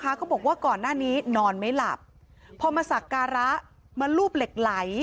เขาบอกว่าก่อนหน้านี้นอนไม่หลับพอมาสักการะมาลูบเหล็กไหล